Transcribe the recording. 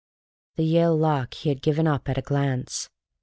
The Yale lock he had given up at a glance.